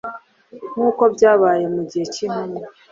Nk’uko byabaye mu gihe cy’intumwa,